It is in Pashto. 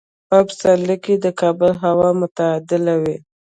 په پسرلي کې د کابل هوا معتدله وي.